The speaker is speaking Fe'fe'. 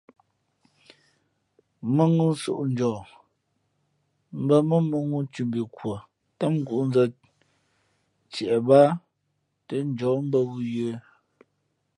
Mᾱŋū soʼnjαά mbᾱ mά mᾱŋū nthimbhi kwα̌ ntám ngǔʼnzᾱ ntiep báá tά njαᾱ mbᾱ wū yə̌.